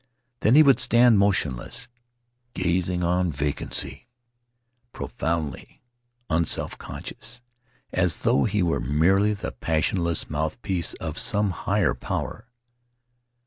Then he would stand motionless, gazing on vacancy, profoundly unself conscious, as though he were merely the passionless mouthpiece of some higher power.